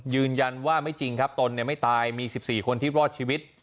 ยืนยันว่าไม่จริงครับตนไม่ตายมี๑๔คนที่รอดชีวิต